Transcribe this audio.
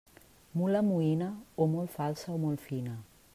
Mula moïna, o molt falsa o molt fina.